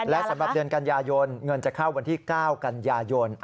และสำหรับเดือนกันยายนเงินจะเข้าวันที่๙กันยายน